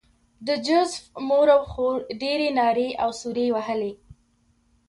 د جوزف مور او خور ډېرې نارې او سورې وهلې